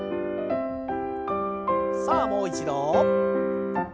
さあもう一度。